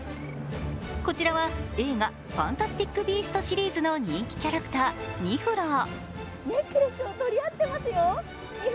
こちらは映画「ファンタスティック・ビースト」シリーズの人気キャラクター・ニフラー。